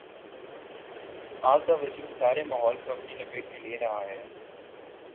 ماں کا وجودسارے ماحول کو اپنی لپیٹ میں لے رہا ہے۔